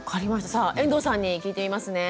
さあ遠藤さんに聞いてみますね。